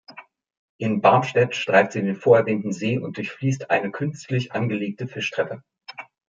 In Barmstedt streift sie den vorerwähnten See und durchfließt eine künstlich angelegte Fischtreppe.